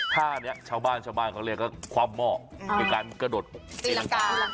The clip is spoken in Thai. ท่านี้ชาวบ้านชาวบ้านก็เรียกว่าความหม้อเป็นการกระดดติ้นหลังกา